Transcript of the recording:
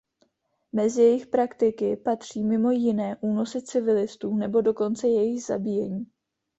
Mezi jejich praktiky patří mimo jiné únosy civilistů nebo dokonce jejich zabíjení.